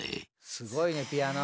すごいねピアノ。